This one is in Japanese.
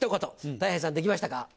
たい平さんできましたか？